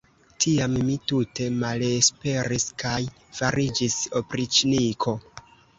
Tiam mi tute malesperis kaj fariĝis opriĉniko.